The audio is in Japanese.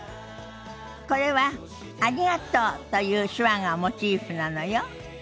これは「ありがとう」という手話がモチーフなのよ。